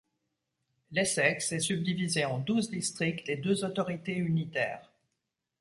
L'Essex est subdivisé en douze districts et deux autorités unitaires.